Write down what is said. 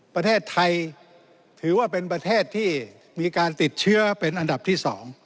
ประเทศไทยถือว่าเป็นประเทศที่มีการติดเชื้อเป็นอันดับที่๒